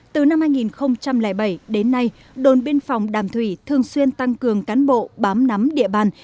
từ năm hai nghìn bảy đến nay đồn biên phòng đàm thủy thường xuyên tăng cường cán bộ bám nắm địa bàn